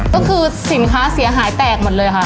ก็คือสินค้าเสียหายแตกหมดเลยค่ะ